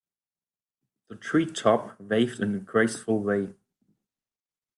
The tree top waved in a graceful way.